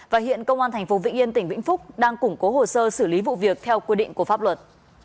và hiện công an tp vĩnh yên tỉnh vĩnh phúc đang củng cố hồ sơ xử lý vụ việc theo quy định của pháp luật